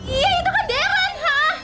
iya itu kan darren hah